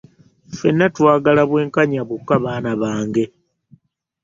Ffenna twagala bwenkanya bwokka baana bange.